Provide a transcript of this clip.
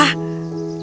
aku bisa mengambilnya